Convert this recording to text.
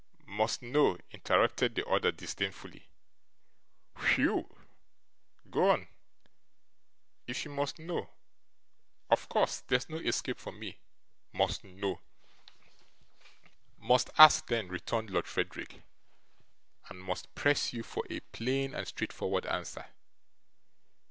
'MUST know,' interrupted the other disdainfully. 'Whew! Go on. If you must know, of course there's no escape for me. Must know!' 'Must ask then,' returned Lord Frederick, 'and must press you for a plain and straightforward answer.